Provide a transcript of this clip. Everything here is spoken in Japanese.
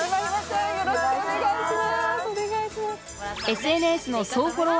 よろしくお願いします。